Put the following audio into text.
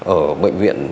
ở bệnh viện